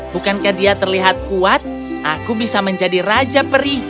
bukankah dia terlihat kuat aku bisa menjadi raja perih